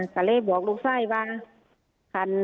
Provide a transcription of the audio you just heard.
ก็เลยบอกลูกไส้บ้าง